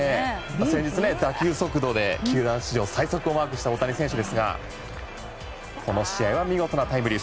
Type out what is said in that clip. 先日打球速度で球団史上最速をマークした大谷選手ですがこの試合は見事なタイムリー。